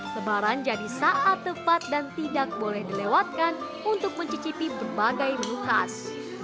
lebaran jadi saat tepat dan tidak boleh dilewatkan untuk mencicipi berbagai menu khas